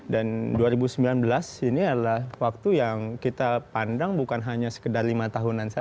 dan dua ribu sembilan belas ini adalah waktu yang kita pandang bukan hanya sekedar lima tahunan saja